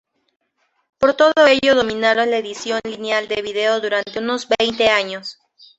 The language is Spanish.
Por todo ello dominaron la edición lineal de vídeo durante unos veinte años.